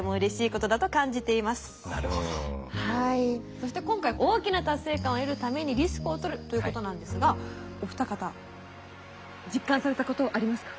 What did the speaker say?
そして今回大きな達成感を得るためにリスクをとるということなんですがお二方実感されたことありますか？